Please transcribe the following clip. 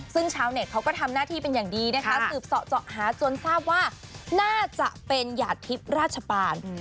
ซึ่งชาวเน็ตเขาก็ทำหน้าที่เป็นอย่างดีนะคะสืบเสาะเจาะหาจนทราบว่าน่าจะเป็นหยาดทิพย์ราชปาน